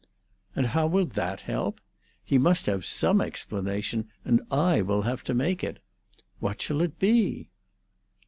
"And how will that help? He must have some explanation, and I will have to make it. What shall it be?"